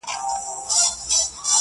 پر ټگانو چى يې جوړ طلا باران كړ٫